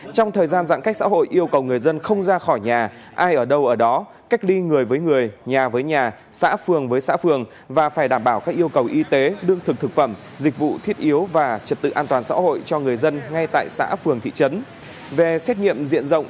trong thời gian giãn cách xã hội yêu cầu người dân không ra khỏi nhà ai ở đâu ở đó cách ly người với người nhà với nhà xã phường với xã phường và phải đảm bảo các yêu cầu y tế đương thực thực phẩm dịch vụ thiết yếu và trật tự an toàn xã hội cho người dân ngay tại xã phường thị trấn về xét nghiệm diện rộng